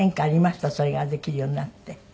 それができるようになって。